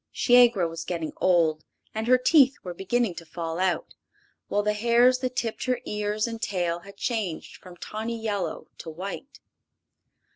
Shiegra was getting old and her teeth were beginning to fall out, while the hairs that tipped her ears and tail had changed from tawny yellow to white.